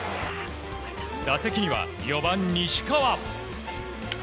打席には４番、西川。